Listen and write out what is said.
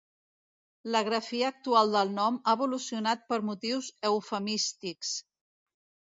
La grafia actual del nom ha evolucionat per motius eufemístics.